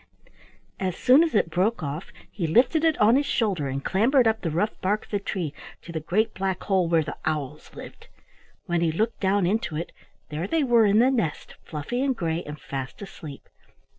As soon as it broke off, he lifted it on his shoulder and clambered up the rough bark of the tree to the great black hole where the owls lived. When he looked down into it, there they were in the nest, fluffy and gray, and fast asleep.